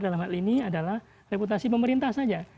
dalam hal ini adalah reputasi pemerintah saja